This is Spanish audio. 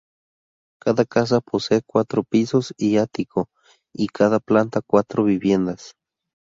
Cada casa posee cuatro pisos y ático, y cada planta cuatro viviendas.